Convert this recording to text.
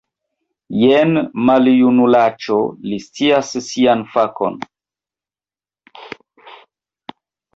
Jen, maljunulaĉo, li scias sian fakon!